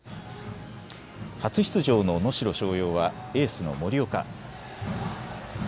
初出場の能代松陽はエースの森岡。